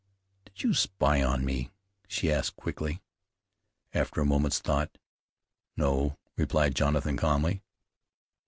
"Did you spy on me?" she asked quickly, after a moment's thought. "No," replied Jonathan calmly.